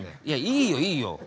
いやいいよいいよ。